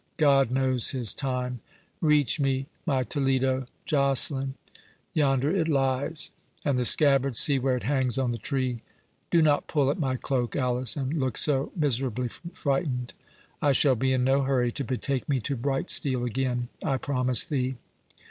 God knows his time.—Reach me my Toledo, Joceline, yonder it lies; and the scabbard, see where it hangs on the tree.—Do not pull at my cloak, Alice, and look so miserably frightened; I shall be in no hurry to betake me to bright steel again, I promise thee.